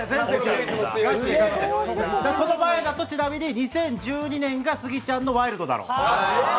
その前だと２０１２年のスギちゃんの「ワイルドだろぉ」。